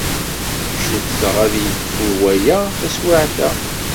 Cukkteɣ ad d-yekfu waya taswiɛt-a.